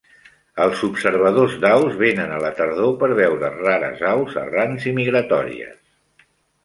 Els observadors d'aus venen a la tardor per veure rares aus errants i migratòries.